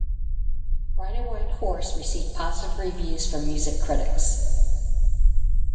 "Ride a White Horse" received positive reviews from music critics.